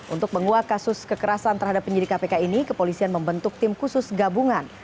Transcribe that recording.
untuk menguak kasus kekerasan terhadap penyidik kpk ini kepolisian membentuk tim khusus gabungan